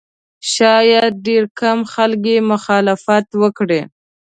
شاید ډېر کم خلک یې مخالفت وکړي.